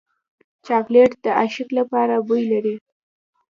چاکلېټ د عاشق لپاره بوی لري.